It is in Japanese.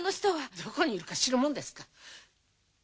どこにいるか知るもんですか。